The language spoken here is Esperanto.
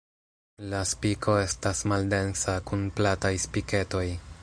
La spiko estas maldensa kun plataj spiketoj.